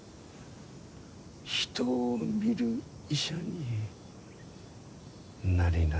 人を見る医者になりなさい。